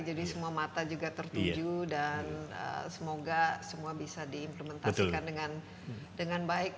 jadi semua mata juga tertuju dan semoga semua bisa diimplementasikan dengan baik